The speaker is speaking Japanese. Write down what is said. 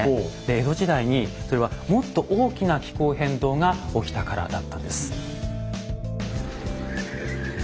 江戸時代にそれはもっと大きな気候変動が起きたからだったんです。